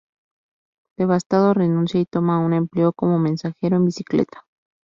Devastado, renuncia y toma un empleo como mensajero en bicicleta.